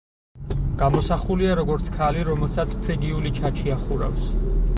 გამოსახულია როგორც ქალი, რომელსაც ფრიგიული ჩაჩი ახურავს.